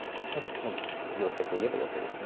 ヨセといえばヨセです。